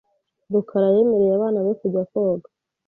rukara yemereye abana be kujya koga .